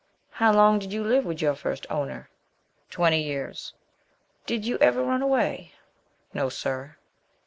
"How long did you live with your first owner?" "Twenty years." "Did you ever run away?" "No, sir."